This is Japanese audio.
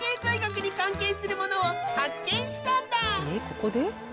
ここで？